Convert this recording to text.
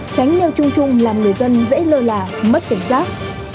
không làm người dân dễ lơ là mất cảnh giác